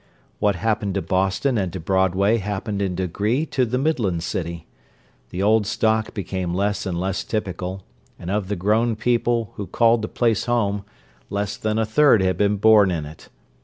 What happened to Boston and to Broadway happened in degree to the Midland city; the old stock became less and less typical, and of the grown people who called the place home, less than a third had been born in it.